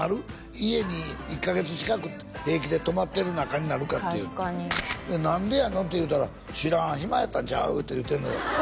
家に１カ月近く平気で泊まってる仲になるかっていう「何でやの？」って言うたら「知らん暇やったんちゃう？」って言うてんのよ